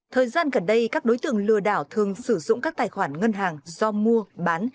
thời gian gần đây các đối tượng lừa đảo thường sử dụng các tài khoản ngân hàng do mua bán